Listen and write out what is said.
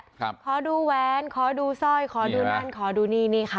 ขอดูแหวนขอดูสร้อยขอดูนั่นขอดูนี่นี่ค่ะ